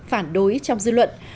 phản đối trong dư luận